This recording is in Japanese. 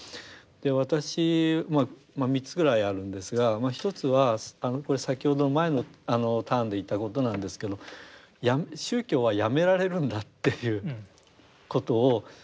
私はまあ３つぐらいあるんですが１つはこれ先ほど前のターンで言ったことなんですけど宗教はやめられるんだっていうことを。